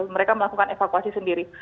mereka melakukan evakuasi sendiri